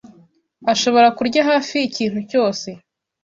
ashobora kurya hafi ikintu cyose.